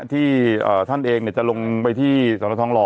ที่ท่านเองจะลงไปที่สนทองหล่อ